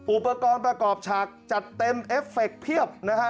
อุปกรณ์ประกอบฉากจัดเต็มเอฟเฟคเพียบนะฮะ